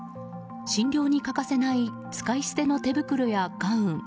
診療に欠かせない使い捨ての手袋やガウン